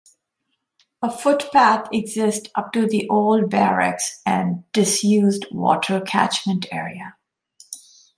A footpath exists up to the old barracks and disused water catchment area.